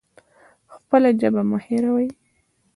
خپله ژبه مه هیروئ